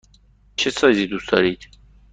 چه سایزی دوست دارید؟